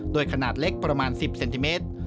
โดยขนาดเล็กประมาณ๑๐เซนติเมตร